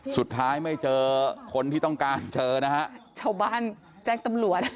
สุดท้ายไม่เจอคนที่ต้องการเจอนะฮะชาวบ้านแจ้งตำรวจ